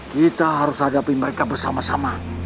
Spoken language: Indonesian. kita harus hadapi mereka bersama sama